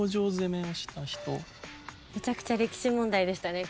めちゃくちゃ歴史問題でしたね